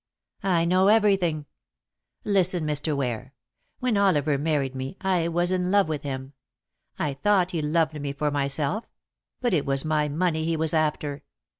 "I know everything. Listen, Mr. Ware. When Oliver married me I was in love with him. I thought he loved me for myself. But it was my money he was after.